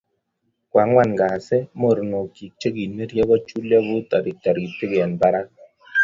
Koangwan kasi mornokchi chegineryo kichulyo ku taritik eng barak